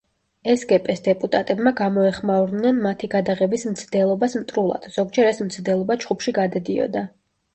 სგპ-ს დეპუტატებმა გამოეხმაურნენ მათი გადაღების მცდელობას მტრულად, ზოგჯერ ეს მცდელობა ჩხუბში გადადიოდა.